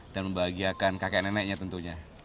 dan membahagiakan kakek neneknya tentunya